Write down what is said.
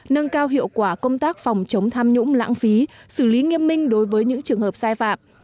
nâng cao hiệu quả công tác phòng chống tham nhũng lãng phí xử lý nghiêm minh đối với những trường hợp sai phạm